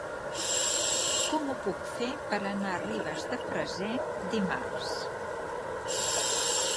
Com ho puc fer per anar a Ribes de Freser dimarts?